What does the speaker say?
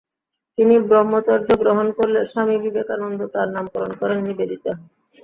তিনি ব্রহ্মচর্য গ্রহণ করলে স্বামী বিবেকানন্দ তাঁর নামকরণ করেন "নিবেদিতা"।